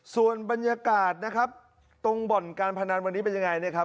ส่วนบรรยากาศนะครับตรงบ่นการพนันวันนี้เป็นอย่างไร